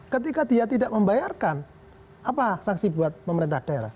ketika dia tidak membayarkan apa sanksi buat pemerintah daerah